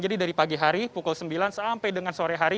jadi dari pagi hari pukul sembilan sampai dengan sore hari